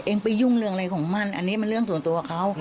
ไปยุ่งเรื่องอะไรของมันอันนี้มันเรื่องส่วนตัวเขา